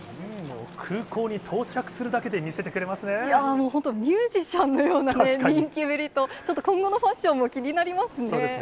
空港に到着するだけで見せて本当、ミュージシャンのような人気ぶりと、ちょっと今後のファッションも気になりますね。